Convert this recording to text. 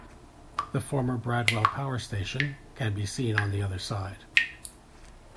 The former Bradwell Power Station can be seen on the other side.